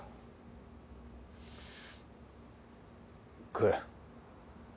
食え。